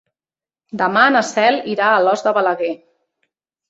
Demà na Cel irà a Alòs de Balaguer.